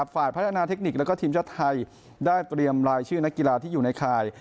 ฝ่ายพัฒนาเทคนิคและทีมชาติไทยได้เตรียมรายชื่อนักกีฬาที่อยู่ในข่าย